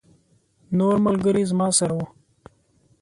نور ملګري زما سره وو.